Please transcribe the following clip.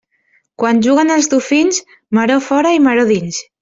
Quan juguen els dofins, maror fora i maror dins.